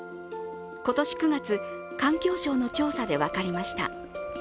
今年９月、環境省の調査で分かりました。